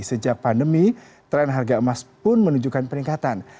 sejak pandemi tren harga emas pun menunjukkan peningkatan